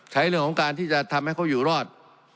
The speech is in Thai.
เรื่องของการที่จะทำให้เขาอยู่รอด